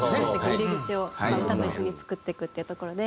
入り口を歌と一緒に作っていくっていうところで。